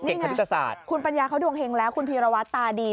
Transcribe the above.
คณิตศาสตร์คุณปัญญาเขาดวงเฮงแล้วคุณพีรวัตรตาดี